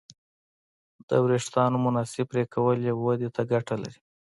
د وېښتیانو مناسب پرېکول یې ودې ته ګټه لري.